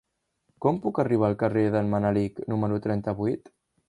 Com puc arribar al carrer d'en Manelic número trenta-vuit?